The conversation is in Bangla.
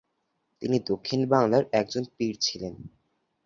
তিনি দক্ষিণ বাংলার একজন পীর ছিলেন।